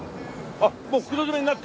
あっもう袋詰めになってる？